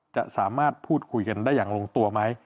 จะสามารถพูดคุยกันได้อย่างลงตัวไหม